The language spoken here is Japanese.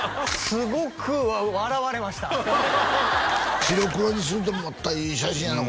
すごく笑われました白黒にするとまたいい写真やな